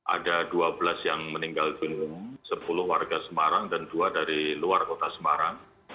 ada dua belas yang meninggal gunung sepuluh warga semarang dan dua dari luar kota semarang